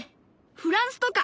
フランスとか。